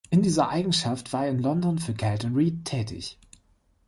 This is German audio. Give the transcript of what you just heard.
In dieser Eigenschaft war er in London für Kelton Reed tätig.